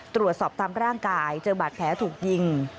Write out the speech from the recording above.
ตรวจสอบตามร่างกายเจอบาดแผลถูกยิง